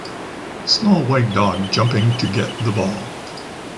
Small white dog jumping to get the ball.